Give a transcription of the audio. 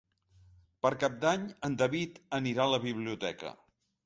Per Cap d'Any en David anirà a la biblioteca.